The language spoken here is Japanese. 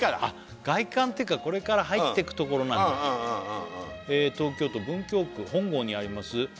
外観っていうかこれから入っていくところなんだ東京都文京区本郷にあります